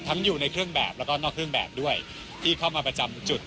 อยู่ในเครื่องแบบแล้วก็นอกเครื่องแบบด้วยที่เข้ามาประจำจุด